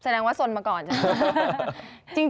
แสดงว่าสนมาก่อนใช่มั้ย